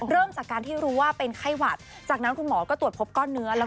เริ่มจากการที่รู้ว่าเป็นไข้หวัดจากนั้นคุณหมอก็ตรวจพบก้อนเนื้อ